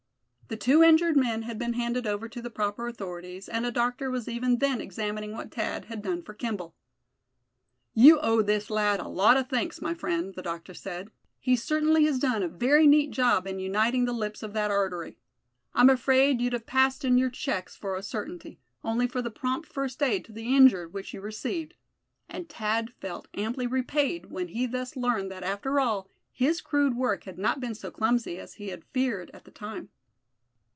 The two injured men had been handed over to the proper authorities, and a doctor was even then examining what Thad had done for Kimball. "You owe this lad a lot of thanks, my friend," the doctor said; "he certainly has done a very neat job in uniting the lips of that artery. I'm afraid you'd have passed in your checks for a certainty, only for the prompt first aid to the injured which you received;" and Thad felt amply repaid when he thus learned that after all, his crude work had not been so clumsy as he had feared at the time.